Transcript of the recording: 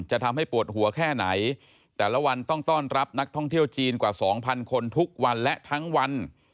จะทำให้ปวดหัวแค่ไหนแต่ละวันต้องต้อนรับนักท่องเที่ยวจีนกว่าสองพันคนทุกวันและทั้งวัน